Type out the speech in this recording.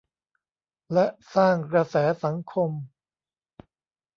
และสร้างกระแสสังคม